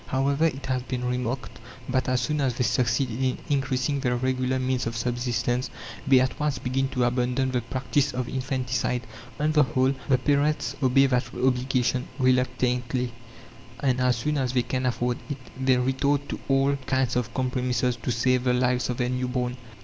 However, it has been remarked that as soon as they succeed in increasing their regular means of subsistence, they at once begin to abandon the practice of infanticide. On the whole, the parents obey that obligation reluctantly, and as soon as they can afford it they resort to all kinds of compromises to save the lives of their new born.